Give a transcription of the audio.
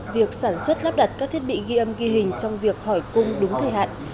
việc sản xuất lắp đặt các thiết bị ghi âm ghi hình trong việc hỏi cung đúng thời hạn